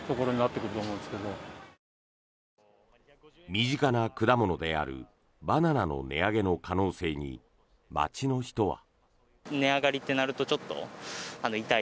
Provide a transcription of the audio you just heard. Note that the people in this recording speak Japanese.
身近な果物であるバナナの値上げの可能性に街の人は。